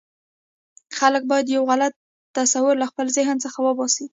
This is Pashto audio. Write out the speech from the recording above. خلک باید یو غلط تصور له خپل ذهن څخه وباسي.